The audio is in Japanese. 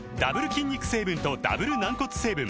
筋肉成分とダブル軟骨成分